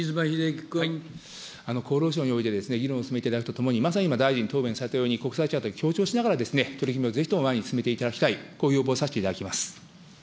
厚労省において議論を進めていただくとともに、まさに今、大臣、答弁されたように、国際チャート、協調しながらぜひとも前に進めていただきたい、こう要望させていただきます。